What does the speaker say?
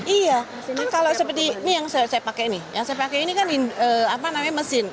iya kan kalau seperti ini yang saya pakai ini yang saya pakai ini kan apa namanya mesin